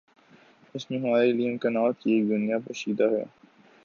اسی میں ہمارے لیے امکانات کی ایک دنیا پوشیدہ ہے۔